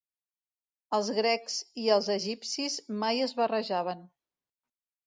Els grecs i els egipcis mai es barrejaven.